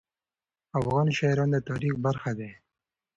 افغان شاعران د تاریخ برخه دي.